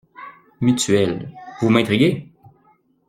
Mutuelle. Vous m’intriguez!